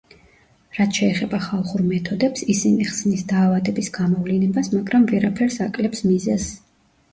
რაც შეეხება ხალხურ მეთოდებს, ისინი ხსნის დაავადების გამოვლინებას, მაგრამ ვერაფერს აკლებს მიზეზს.